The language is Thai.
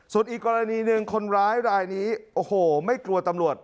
ส่วนอีกกรณีหนึ่งคนร้ายรายนี้โอ้โหไม่กลัวตำรวจ